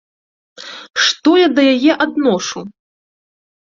Што я да яе адношу?